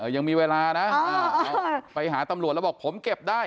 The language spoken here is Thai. ยังมีเวลานะไปหาตำรวจแล้วบอกผมเก็บได้